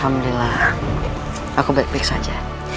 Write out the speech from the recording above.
alhamdulillah aku baik baik saja